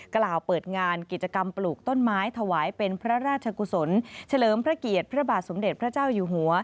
กล่าวเปิดงานกิจกรรมปลูกต้นไม้ถวายเป็นพระราชกุศลเฉลิมพระเกียรติพระบาทสมเด็จพระเจ้าอยู่หัว